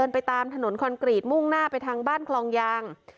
ไปตามถนนคอนกรีตมุ่งหน้าไปทางบ้านคลองยาง